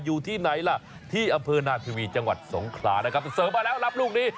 อยู่ที่ไหนล่ะที่อำเภอนาธวีจังหวัดสงขลานะครับเสริมมาแล้วรับลูกนี้